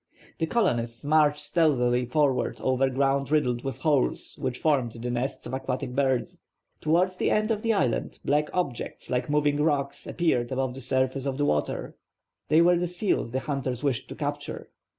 The colonists marched stealthily forward over ground riddled with holes which formed the nests of aquatic birds. Towards the end of the island, black objects, like moving rocks, appeared above the surface of the water, they were the seals the hunters wished to capture.